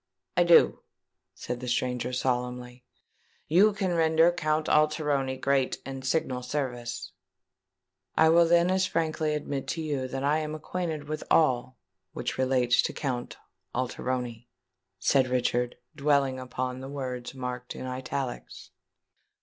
"I do," said the stranger solemnly. "You can render Count Alteroni great and signal services." "I will then as frankly admit to you that I am acquainted with all which relates to Count Alteroni," said Richard, dwelling upon the words marked in italics.